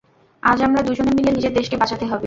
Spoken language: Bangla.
আজ আমরা দুইজনে মিলে নিজের দেশকে বাঁচাতে হবে।